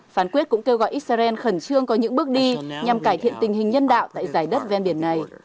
phán quyết cũng kêu gọi israel khẩn trương có những bước đi nhằm cải thiện tình hình nhân đạo tại giải đất ven biển này